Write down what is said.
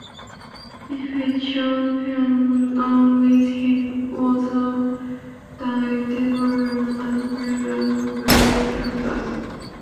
It features Spider-Man, along with his other alternative versions, as playable characters.